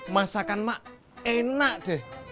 masakan mak enak deh